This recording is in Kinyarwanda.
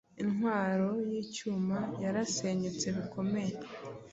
Intwaro yicyuma yarasenyutse bikomeye